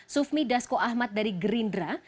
sufmi dasko ahmad dari gerindra